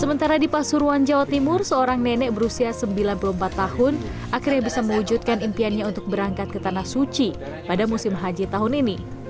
sementara di pasuruan jawa timur seorang nenek berusia sembilan puluh empat tahun akhirnya bisa mewujudkan impiannya untuk berangkat ke tanah suci pada musim haji tahun ini